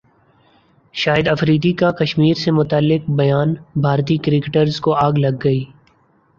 شاہد افریدی کا کشمیر سے متعلق بیانبھارتی کرکٹرز کو اگ لگ گئی